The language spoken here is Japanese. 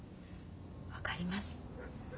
分かります。